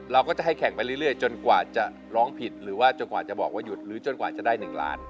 เราก็จะให้แข่งไปเรื่อยจนกว่าจะร้องผิดหรือว่าจนกว่าจะบอกว่าหยุดหรือจนกว่าจะได้๑ล้าน